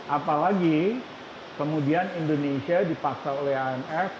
apalagi kemudian indonesia dipaksa oleh imf